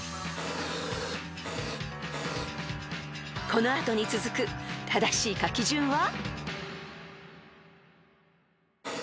［この後に続く正しい書き順は？］